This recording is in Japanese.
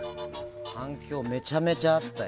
反響、めちゃめちゃあったよ。